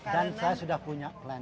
dan saya sudah punya plan